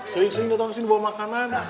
sering sering datang ke sini bawa makanan